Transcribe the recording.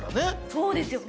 そうですよね。